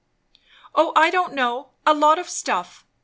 "O I don't know! a lot of stuff.